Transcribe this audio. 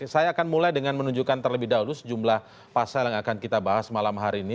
saya akan mulai dengan menunjukkan terlebih dahulu sejumlah pasal yang akan kita bahas malam hari ini